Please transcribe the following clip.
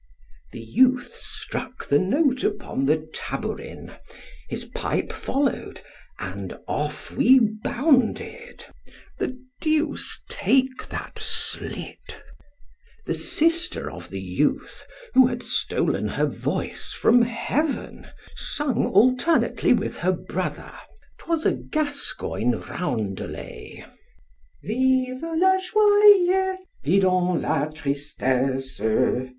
The youth struck the note upon the tabourin—his pipe followed, and off we bounded——"the duce take that slit!" The sister of the youth, who had stolen her voice from heaven, sung alternately with her brother——'twas a Gascoigne roundelay. VIVA LA JOIA! FIDON LA TRISTESSA!